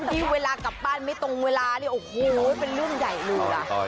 ที่เวลากลับบ้านไม่ตรงเวลาเนี่ยโอ้โหเป็นเรื่องใหญ่เลย